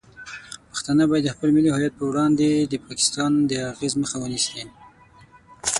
پښتانه باید د خپل ملي هویت په وړاندې د پاکستان د اغیز مخه ونیسي.